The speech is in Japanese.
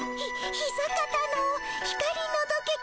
「ひさかたの光のどけき